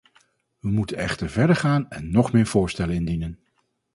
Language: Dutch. We moeten echter verder gaan en nog meer voorstellen indienen.